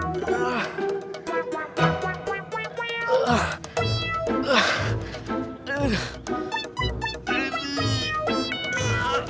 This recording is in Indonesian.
wah makasih beli ini